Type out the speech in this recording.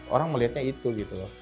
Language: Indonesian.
orang melihatnya itu gitu loh